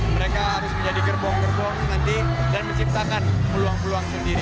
mereka harus menjadi gerbong gerbong nanti dan menciptakan peluang peluang sendiri